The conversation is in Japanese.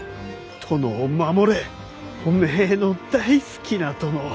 殿を守れおめえの大好きな殿を。